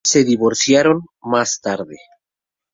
Se divorciaron más tarde.